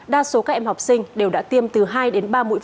đa số các em học sinh đều đã tiêm từ hai đến ba mũi